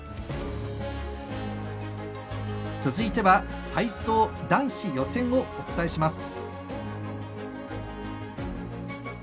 続いては体操男子予選をお伝えします。